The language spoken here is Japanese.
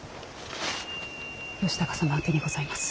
義高様宛てにございます。